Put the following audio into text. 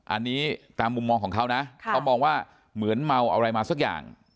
อันนี้ตามมุมมองของเขานะเขามองว่าเหมือนเมาอะไรมาสักอย่าง